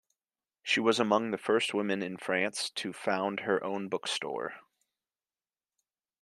She was among the first women in France to found her own book store.